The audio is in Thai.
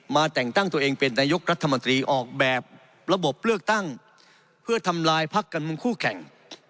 แต่งตั้งตัวเองเป็นนายกรัฐมนตรีออกแบบระบบเลือกตั้งเพื่อทำลายพักการเมืองคู่แข่ง